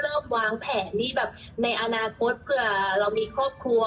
วางแผนที่แบบในอนาคตเผื่อเรามีครอบครัว